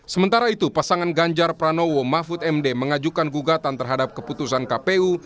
sementara itu pasangan ganjar pranowo mahfud md mengajukan gugatan terhadap keputusan kpu